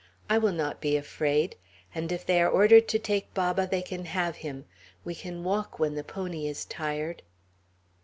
I will not be afraid. And if they are ordered to take Baba, they can have him; we can walk when the pony is tired."